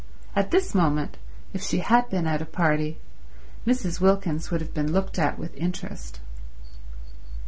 At this moment, if she had been at a party, Mrs. Wilkins would have been looked at with interest.